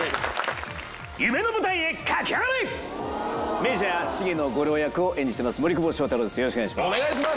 『メジャー』茂野吾郎役を演じてます森久保祥太郎です。